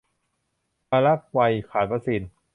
ปารากวัยขาดวัคซีน